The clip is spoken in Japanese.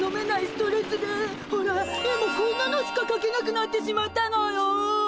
ストレスでほら絵もこんなのしかかけなくなってしまったのよ。